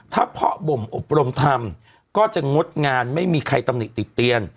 ถ้าเพาะบ่มอบรมทำก็จะงดงานไม่มีใครตำหนิติเตียน